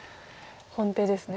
本手ですね。